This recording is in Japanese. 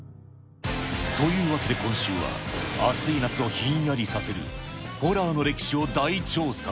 というわけで今週は、暑い夏をひんやりさせる、ホラーの歴史を大調査。